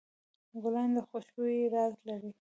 ګلان د خوشبویۍ راز لري.